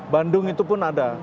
bandung itu pun ada